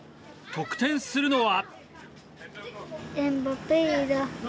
得点するのは？